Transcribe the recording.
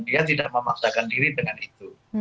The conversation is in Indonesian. dia tidak memaksakan diri dengan itu